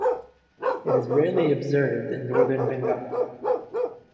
It is rarely observed in northern Bengal.